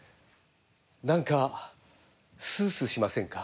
なんかスースーしませんか？